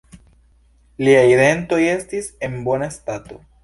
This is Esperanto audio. Liaj dentoj estis en bona stato.